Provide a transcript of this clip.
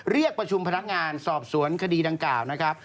เรียกประชุมพนักงานสอบสวนคดีดังกล่าวนะครับ